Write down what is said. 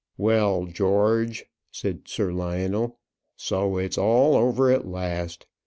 "Well, George," said Sir Lionel; "so it's all over at last.